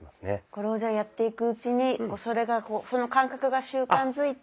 これをじゃあやっていくうちにその感覚が習慣づいて。